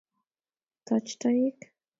taach toek